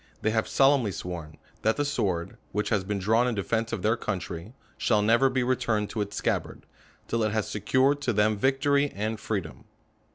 They have solemnly sworn, that the sword, which has been drawn in defence of their country, shall never be returned to its scabbard, till it has secured to them vic tory and freedom.